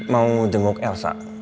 mau jenguk elsa